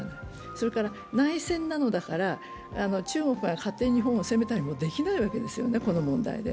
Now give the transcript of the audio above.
それから、内戦なのだから、中国が勝手に日本を攻めたりもできないわけですね、この問題で。